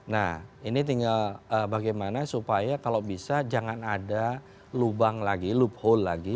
nah ini tinggal bagaimana supaya kalau bisa jangan ada lubang lagi loophole lagi